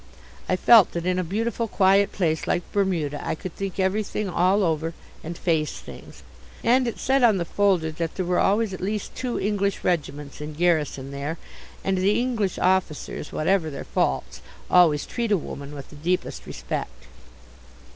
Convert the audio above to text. I felt that in a beautiful, quiet place like Bermuda I could think everything all over and face things, and it said on the folder that there were always at least two English regiments in garrison there, and the English officers, whatever their faults, always treat a woman with the deepest respect.